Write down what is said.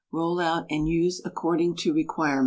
Roll out and use according to requirements.